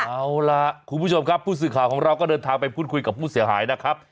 เอาล่ะคุณผู้ชมครับผู้สื่อข่าวของเราก็เดินทางไปพูดคุยกับผู้เสียหายนะครับ